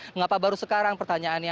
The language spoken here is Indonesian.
mengapa baru sekarang pertanyaannya